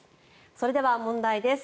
それでは問題です。